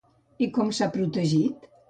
I com s'ha protegit?